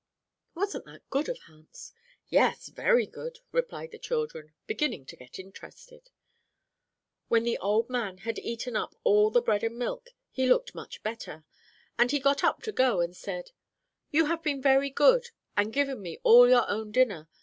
Wasn't that good of Hans?" "Yes, very good," replied the children, beginning to get interested. "When the old man had eaten up all the bread and milk, he looked much better. And he got up to go, and said, 'You have been very good, and given me all your own dinner.